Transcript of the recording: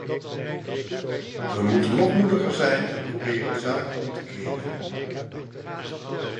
We moeten nog moediger zijn en proberen de zaken om te keren.